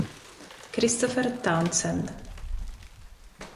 Christopher Townsend